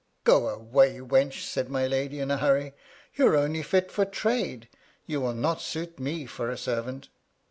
"Go away, wench," said my lady in a hurry, " You're only fit for trade ; you will not suit me for a servant."